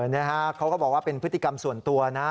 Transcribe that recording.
นี่ฮะเขาก็บอกว่าเป็นพฤติกรรมส่วนตัวนะ